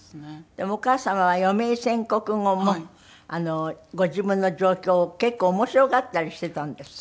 でもお母様は余命宣告後もご自分の状況を結構面白がったりしてたんですって？